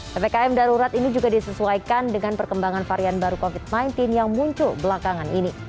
ppkm darurat ini juga disesuaikan dengan perkembangan varian baru covid sembilan belas yang muncul belakangan ini